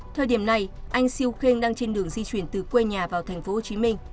thời điểm này anh siêu kheng đang trên đường di chuyển từ quê nhà vào tp hcm